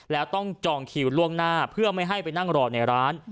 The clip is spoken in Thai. แล้วต้องจองคิวล่วงหน้าเพื่อไม่ให้ไปนั่งรอในร้าน